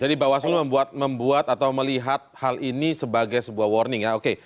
jadi bawaslu membuat atau melihat hal ini sebagai sebuah warning ya oke